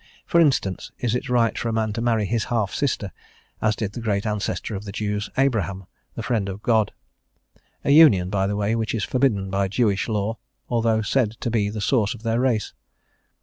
For instance, is it right for a man to marry his half sister, as did the great ancestor of the Jews, Abraham, the friend of God? a union, by the way, which is forbidden by Jewish law, although said to be the source of their race.